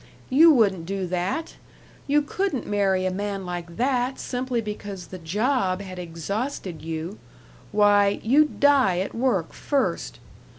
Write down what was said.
You wouldn't do that you couldn't marry a man like that simply because the job had exhausted you. Why, you'd die at work first.